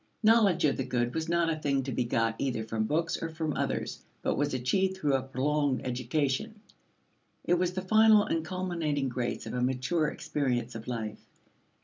Knowledge of the good was not a thing to be got either from books or from others, but was achieved through a prolonged education. It was the final and culminating grace of a mature experience of life.